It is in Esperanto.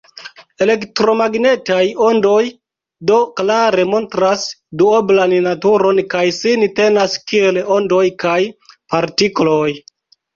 Elektromagnetaj ondoj do klare montras duoblan naturon, kaj sin tenas kiel ondoj kaj partikloj.